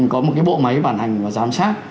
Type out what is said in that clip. có một cái bộ máy bản hành và giám sát